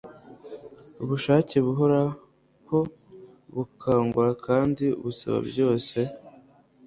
Ubushake buhoraho bukangura kandi busaba byose